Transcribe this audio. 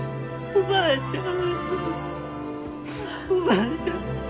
おばあちゃん。